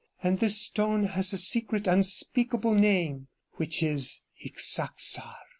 And this stone has a secret unspeakable name; which is Ixaxar.'